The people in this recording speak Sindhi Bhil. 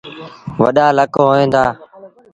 وڏآ لڪ هوئيݩ دآ۔